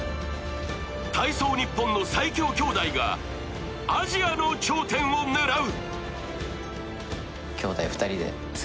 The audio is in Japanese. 体操ニッポンの最強兄弟が、アジアの頂点を狙う。